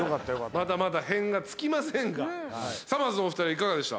まだまだ「変」が尽きませんがさまぁずのお二人いかがでした？